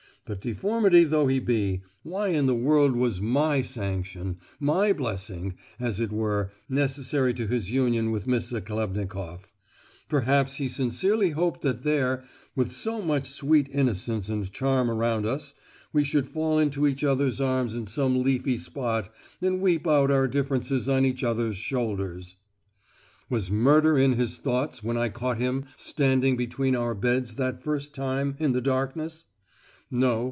But deformity though he be, why in the world was my sanction, my blessing, as it were, necessary to his union with Miss Zachlebnikoff? Perhaps he sincerely hoped that there, with so much sweet innocence and charm around us, we should fall into each other's arms in some leafy spot, and weep out our differences on each other's shoulders? "Was murder in his thoughts when I caught him standing between our beds that first time, in the darkness? No.